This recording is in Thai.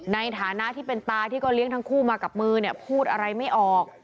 ในฐานะที่เป็นตาที่ก็เลี้ยงทั้งคู่มากับมือเนี่ยพูดอะไรไม่ออก